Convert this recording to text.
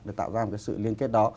để tạo ra một cái sự liên kết đó